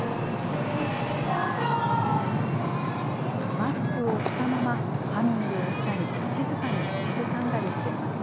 マスクをしたまま、ハミングをしたり、静かに口ずさんだりしていました。